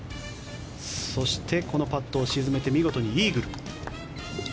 そして、このパットを沈めて見事にイーグル。